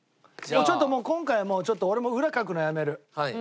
ちょっともう今回はちょっと俺も裏かくのやめる。